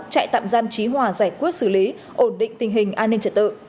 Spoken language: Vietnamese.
trại tạm giam trí hòa giải quyết xử lý ổn định tình hình an ninh trật tự